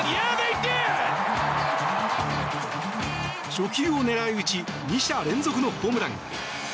初球を狙い打ち２者連続のホームラン。